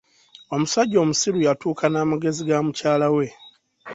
Omusajja omusiru yatuuka n'amagezi ga mukyala we.